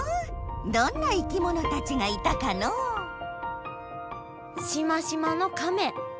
どんな生きものたちがいたかのうしましまのカメ。